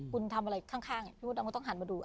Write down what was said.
คุณทำอะไรข้างพี่มดดำก็ต้องหันมาดู